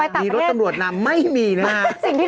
มีรถตำรวจนำไม่มีนะฮะ